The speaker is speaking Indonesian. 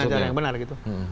cara yang benar gitu